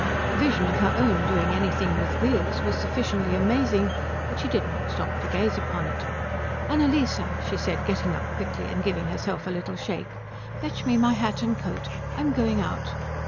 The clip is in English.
The vision of her own doing anything with wheels was sufficiently amazing, but she did not stop to gaze upon it. "Annalise," she said, getting up quickly and giving herself a little shake, "fetch me my hat and coat. I'm going out."